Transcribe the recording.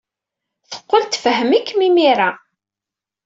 Teqqel tfehhem-ikem imir-a.